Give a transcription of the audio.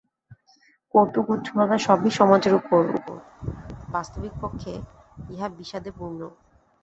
কৌতুক উচ্ছলতা সবই সমাজের উপর উপর, বাস্তবিকপক্ষে ইহা বিষাদে পূর্ণ।